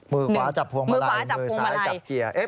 มือขวาจับพวงมาลัยมือซ้ายจับเกียร์